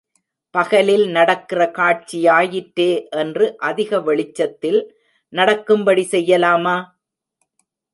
பகலில் நடக்கிற காட்சியாயிற்றே என்று அதிக வெளிச்சத்தில் நடக்கும்படி செய்யலாமா?